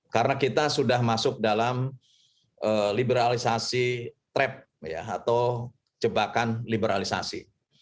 karena kita sudah masuk dalam liberalisasi trap atau jebakan liberalisasi